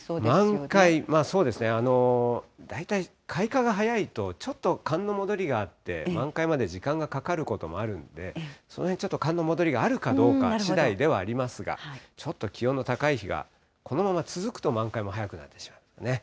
満開、そうですね、大体開花が早いとちょっと寒の戻りがあって、満開まで時間がかかることもあるんで、そのへんちょっと、寒の戻りがあるかどうかしだいではありますが、ちょっと気温の高い日がこのまま続くと満開も早くなるでしょうね。